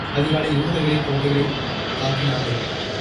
அதிகாலையில், யூதர்களின் கோட்டைகளைத் தாக்கினார்கள்.